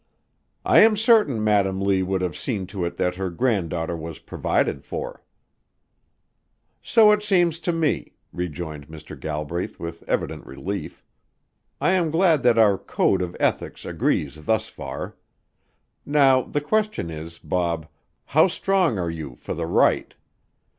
"I am certain Madam Lee would have seen to it that her granddaughter was provided for." "So it seems to me," rejoined Mr. Galbraith with evident relief. "I am glad that our code of ethics agrees thus far. Now the question is, Bob, how strong are you for the right?